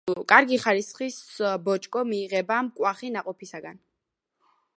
კარგი ხარისხის ბოჭკო მიიღება მკვახე ნაყოფისაგან.